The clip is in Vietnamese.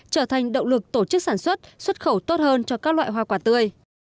trở thành động lực tổ chức sản xuất xuất khẩu tốt hơn cho các loại hoa quả tươi